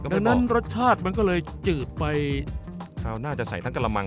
ดังนั้นรสชาติมันก็เลยจืดไป